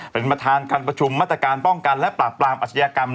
เป็นประธานการประชุมมาตรการป้องกันและปราบปรามอาชญากรรม